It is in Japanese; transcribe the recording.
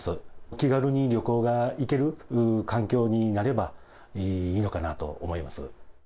気軽に旅行が行ける環境になればいいのかなと思います。